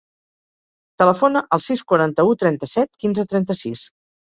Telefona al sis, quaranta-u, trenta-set, quinze, trenta-sis.